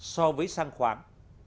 so với sang khoáng